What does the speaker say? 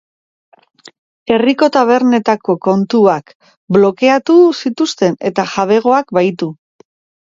Herriko tabernetako kontuak blokeatu zituzten eta jabegoak bahitu.